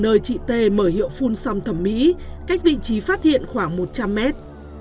nơi chị tê mở hiệu phun xong thẩm mỹ cách vị trí phát hiện khoảng một trăm linh mét